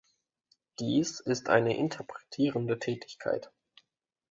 Dies ist eine interpretierende Tätigkeit.